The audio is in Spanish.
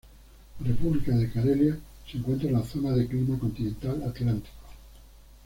La república de Carelia se encuentra en la zona de clima continental atlántico.